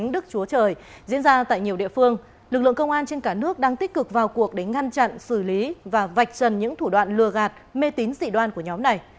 diễn ra tại nhiều địa phương lực lượng công an trên cả nước đang tích cực vào cuộc để ngăn chặn xử lý và vạch trần những thủ đoạn lừa gạt mê tín dị đoan của nhóm này